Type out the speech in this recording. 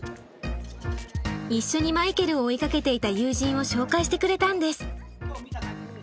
一緒にマイケルを追いかけていた友人を紹介してくれたんです。